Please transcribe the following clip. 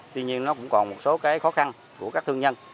tuy nhiên nó cũng còn một số cái khó khăn của các thương nhân